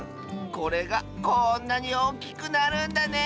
これがこんなにおおきくなるんだね！